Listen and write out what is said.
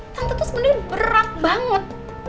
tante tuh sebenernya berat banget